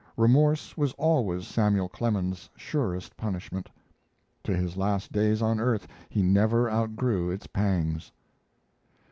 Remorse was always Samuel Clemens's surest punishment. To his last days on earth he never outgrew its pangs.